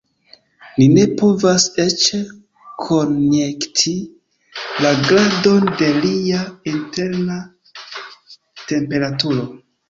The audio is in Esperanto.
Ni ne povas eĉ konjekti la gradon de lia interna temperaturo.